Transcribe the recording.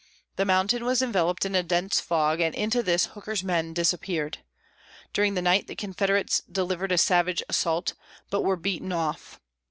The mountain was enveloped in a dense fog, and into this Hooker's men disappeared. During the night the Confederates delivered a savage assault, but were beaten off.